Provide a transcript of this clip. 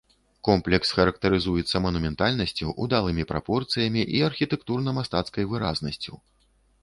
Комплекс характарызуецца манументальнасцю, удалымі прапорцыямі і архітэктурна-мастацкай выразнасцю.